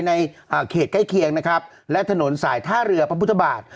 ในเขตใกล้เคียงนะครับและถนนสายท่าเรือพระพุทธบาท